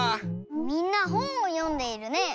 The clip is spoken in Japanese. みんなほんをよんでいるね。